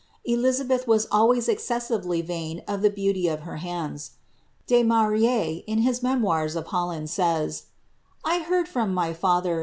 Elizabeth was always excessively vain of the beauty hands. De Maurier, in his Memoira of Holland, says, ^ I heard ny &ther